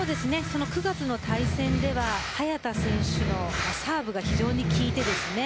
９月の対戦では早田選手のサーブが非常に効いてですね